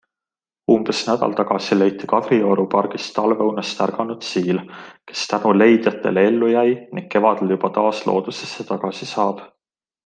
Umbes nädal tagasi leiti Kadrioru pargist talveunest ärganud siil, kes tänu leidjatele ellu jäi ning kevadel juba taas loodusesse tagasi saab.